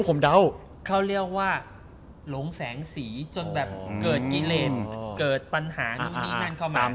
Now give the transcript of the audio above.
ผมเดาเขาเรียกว่าหลงแสงสีจนแบบเกิดกิเลนเกิดปัญหานู่นนี่นั่นเข้ามา